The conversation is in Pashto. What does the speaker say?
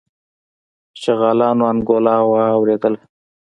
شغالانو انګولا واورېدله.